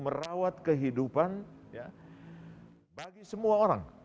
merawat kehidupan bagi semua orang